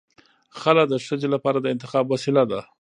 خلع د ښځې لپاره د انتخاب وسیله ده.